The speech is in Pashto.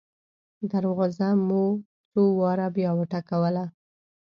دروازه مو څو واره بیا وټکوله.